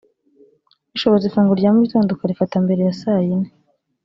bishobotse ifunguro rya mu gitondo ukarifata mbere ya saa ine